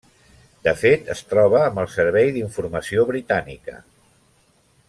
De fet, es troba amb el servei d'informació britànica.